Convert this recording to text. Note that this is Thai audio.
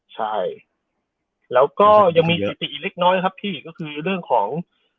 ใช่แล้วก็ยังมีสถิติเล็กน้อยครับพี่เรื่องของ